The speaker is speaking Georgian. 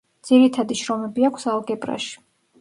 ძირითადი შრომები აქვს ალგებრაში.